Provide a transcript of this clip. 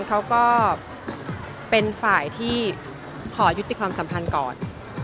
เขาก็เป็นฝ่ายที่ขอยุติความสัมพันธ์ก่อน